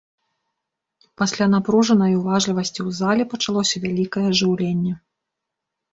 Пасля напружанай уважлівасці ў зале пачалося вялікае ажыўленне.